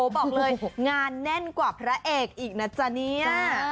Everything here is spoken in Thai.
บอกเลยงานแน่นกว่าพระเอกอีกนะจ๊ะเนี่ย